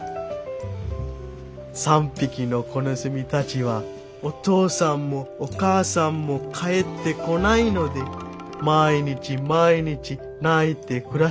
「３匹の子ネズミたちはお父さんもお母さんも帰ってこないので毎日毎日泣いて暮らしてました。